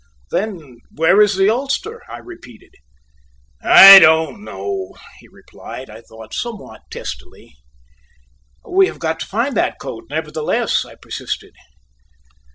"Then, where is the ulster," I repeated. "I don't know," he replied, I thought, somewhat testily. "We have got to find that coat, nevertheless," I persisted.